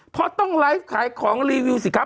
พ่อต้องไลฟ์ขายของรีวิวสิคะ